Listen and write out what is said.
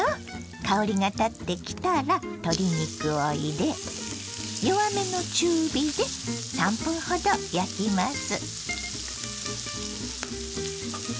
香りがたってきたら鶏肉を入れ弱めの中火で３分ほど焼きます。